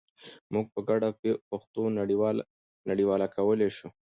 موږ په ګډه پښتو نړیواله کولای شو.